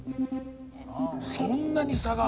そんなに差がある？